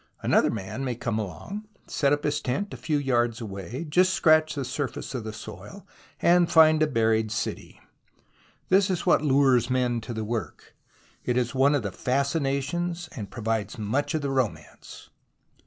Another man may come along, set up his tent a few yards away, just scratch the surface of the soil, and find a buried city. This is what lures men to the work ; it is THE ROMANCE OF EXCAVATION 23 one of the fascinations and provides much of the romance.